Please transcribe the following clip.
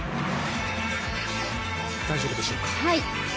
大丈夫でしょうか。